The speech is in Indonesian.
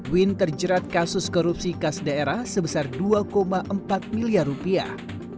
win terjerat kasus korupsi kas daerah sebesar dua empat miliar rupiah